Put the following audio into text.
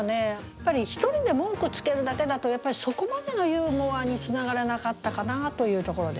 やっぱり一人で文句つけるだけだとやっぱりそこまでのユーモアにつながらなかったかなというところですね。